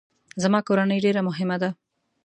زما کورنۍ ډیره مهمه ده